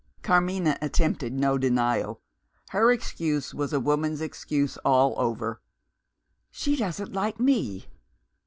Carmina attempted no denial; her excuse was a woman's excuse all over: "She doesn't like _me."